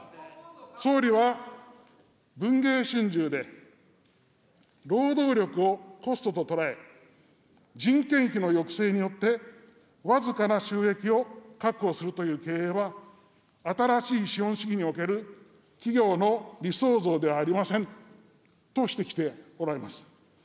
総理は文藝春秋で、労働力をコストと捉え、人件費の抑制によって、僅かな収益を確保するという経営は、新しい資本主義における企業の理想像ではありませんと指摘しております。